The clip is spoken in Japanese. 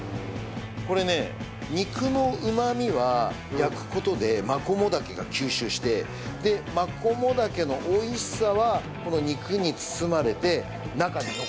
これね肉のうまみは焼く事でマコモダケが吸収してマコモダケの美味しさはこの肉に包まれて中に残る。